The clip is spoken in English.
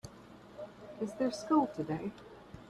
Is there school today?